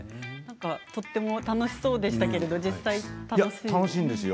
とても楽しそうでしたけれども実際どうですか？